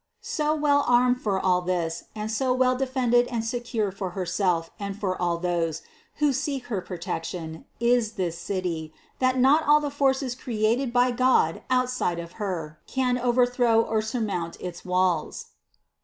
So well armed for all this and so well defended and secure for Herself and for all those, who seek her protection, is this City, that not all the forces created by God outside of Her can overthrow or surmount its walls.